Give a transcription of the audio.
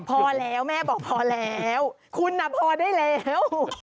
พอแล้วแม่บอกพอแล้วคุณพอได้แล้ว